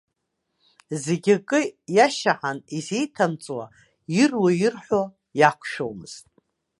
Зегьы акы иашьаҳан изеиҭамҵуа, ируа-ирҳәо иақәшәомызт.